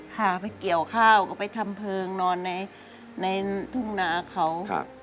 พาไปเกี่ยวข้าวก็ไปทำเพลิงนอนในทุ่งนาเขา